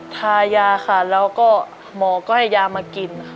ทายาค่ะแล้วก็หมอก็ให้ยามากินค่ะ